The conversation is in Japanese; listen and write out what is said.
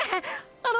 あの！！